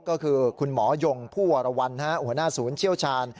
ก็คือคุณหมอยงผู้วรวรรณหัวหน้าศูนย์เชี่ยวชาญ